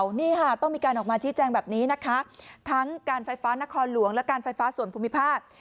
นี่ค่ะต้องมีการออกมาชี้แจงแบบนี้นะคะทั้งการไฟฟ้านครหลวงและการไฟฟ้าส่วนภูมิภาค